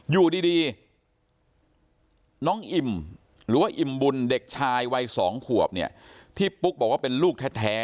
อยู่ดีน้องอิ่มหรือว่าอิ่มบุญเด็กชายวัย๒ขวบเนี่ยที่ปุ๊กบอกว่าเป็นลูกแท้